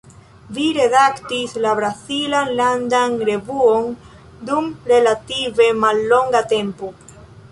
Vi redaktis la brazilan landan revuon dum relative mallonga tempo.